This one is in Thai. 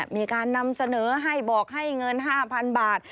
มีการนำเสนอให้บอกให้เงิน๕๐๐๐บาท